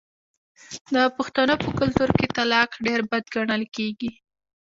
د پښتنو په کلتور کې طلاق ډیر بد ګڼل کیږي.